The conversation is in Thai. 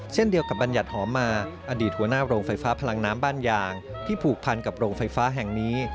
เช่นเดียวกับบัญญัติหอมมาอดีตหัวหน้าโรงไฟฟ้าพลังน้ำบ้านยางที่ผูกพันกับโรงไฟฟ้าแห่งนี้